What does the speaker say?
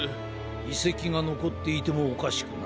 いせきがのこっていてもおかしくない。